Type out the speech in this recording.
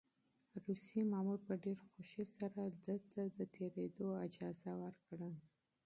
روسي مامور په ډېرې خوښۍ سره ده ته د تېرېدو اجازه ورکړه.